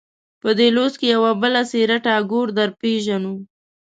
په دې لوست کې یوه بله څېره ټاګور درپېژنو.